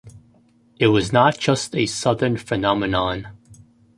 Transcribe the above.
It was not just a southern phenomenon.